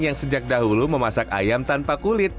yang sejak dahulu memasak ayam tanpa kulit